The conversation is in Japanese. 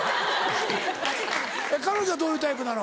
彼女はどういうタイプなの？